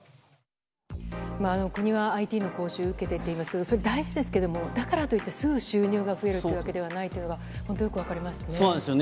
国はＩＴの講習受けてって言いますけど、それ、大事ですけれども、だからといってすぐ収入が増えるというわけではないというのは、本当、よく分かりますね。